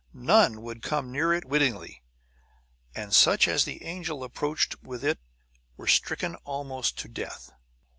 None would come near it wittingly; and such as the angel approached with it were stricken almost to death.